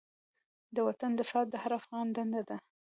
د وطن دفاع د هر افغان دنده ده.